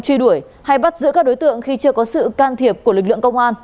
truy đuổi hay bắt giữ các đối tượng khi chưa có sự can thiệp của lực lượng công an